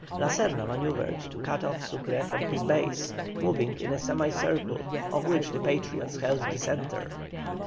La Serna manœuvred to cut off Sucre from his base, moving in a semicircle of which the Patriots held the centre.